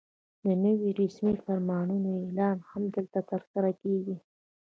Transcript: د نویو رسمي فرمانونو اعلان هم دلته ترسره کېږي.